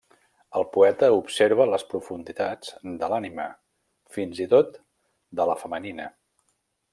El poeta observa les profunditats de l'ànima, fins i tot de la femenina.